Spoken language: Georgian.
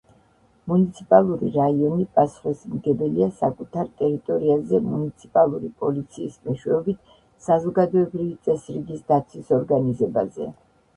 მუნიციპალური რაიონი პასუხისმგებელია საკუთარ ტერიტორიაზე მუნიციპალური პოლიციის მეშვეობით საზოგადოებრივი წესრიგის დაცვის ორგანიზებაზე.